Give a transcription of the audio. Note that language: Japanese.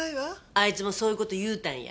あいつもそういう事言うたんや。